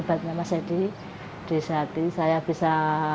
sebagai motivator saya saya bisa